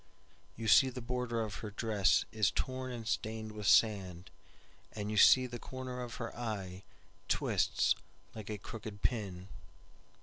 You see the border of her dressIs torn and stained with sand, And you see the corner of her eyeTwists like a crooked pin."